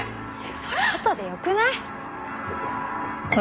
それあとでよくない？